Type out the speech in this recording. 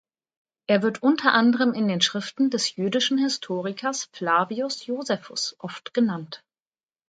Er wird unter anderem in den Schriften des jüdischen Historikers Flavius Josephus oft genannt.